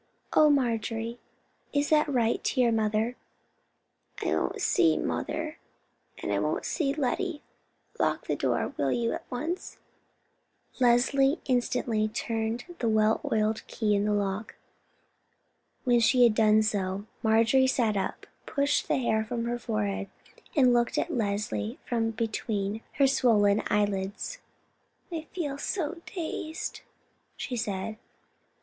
"Oh, Marjorie! is that right to your mother?" "I won't see mother, and I won't see Lettie. Lock the door, will you, at once?" Leslie instantly turned the well oiled key in the lock. When she had done so, Marjorie sat up, pushed the hair from her forehead, and looked at Leslie from between her swollen eyelids. "I feel so dazed," she said.